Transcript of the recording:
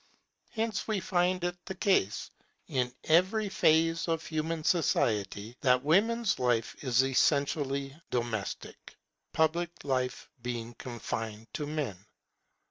Hence we find it the case in every phase of human society that women's life is essentially domestic, public life being confined to men.